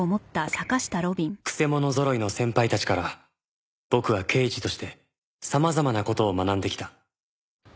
曲者ぞろいの先輩たちから僕は刑事として様々な事を学んできた